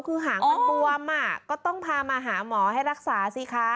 คือหางมันบวมก็ต้องพามาหาหมอให้รักษาสิคะ